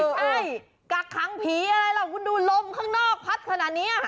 เออเอ้ยกักขังผีอะไรหรอกคุณดูลมข้างนอกพัดขนาดเนี้ย